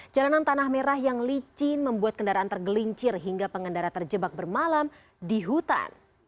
jalanan tanah merah yang licin membuat kendaraan tergelincir hingga pengendara terjebak bermalam di hutan